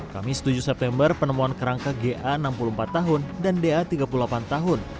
kamis tujuh september penemuan kerangka ga enam puluh empat tahun dan da tiga puluh delapan tahun